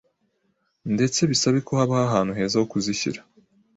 ndetse bisabe ko habaho ahantu heza ho kuzishyira